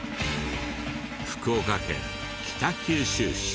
福岡県北九州市。